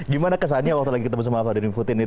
gimana kesannya ketemu vladimir putin